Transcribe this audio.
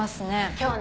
今日ね